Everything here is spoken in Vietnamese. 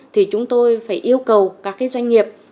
thì chúng tôi phải yêu cầu các doanh nghiệp